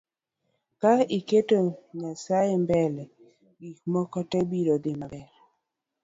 Ka iketo nyasae mbele , gik moko tee biro dhii maber